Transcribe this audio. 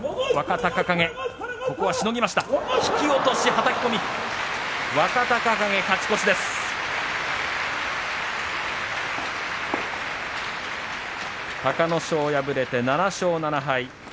隆の勝、破れて７勝７敗。